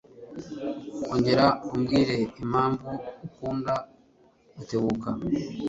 Ongera umbwire impamvu ukunda Rutebuka.